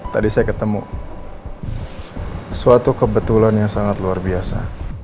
tadi saya ketemu suatu kebetulan yang sangat luar biasa